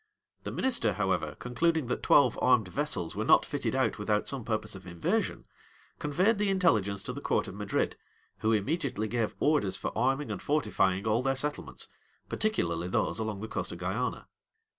The minister, however, concluding that twelve armed vessels were not fitted out without some purpose of invasion, conveyed the intelligence to the court of Madrid, who immediately gave orders for arming and fortifying all their settlements, particularly those along the coast of Guiana.